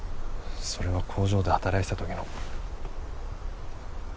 それは工場で働いてた時の。